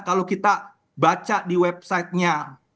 kalau kita baca di website nya